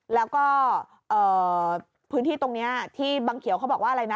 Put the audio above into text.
แล้วก็พื้นที่ตรงนี้ที่บังเขียวเขาบอกว่าอะไรนะ